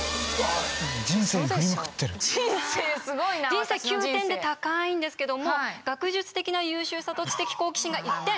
人生９点で高いんですけども学術的な優秀さと知的好奇心が１点。